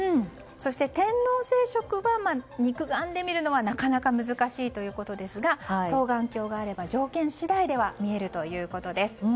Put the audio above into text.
そして天王星食を肉眼で見るのはなかなか難しいということですが双眼鏡があれば条件次第では見えるということです。